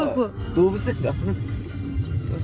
動物園だ。